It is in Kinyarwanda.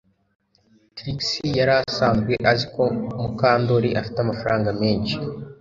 Trix yari asanzwe azi ko Mukandoli afite amafaranga menshi